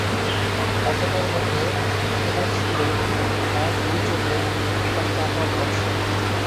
কথাটার মধ্যে, কথার সুরে, তাঁর দুই চোখে, একটা চাপা ভর্ৎসনা।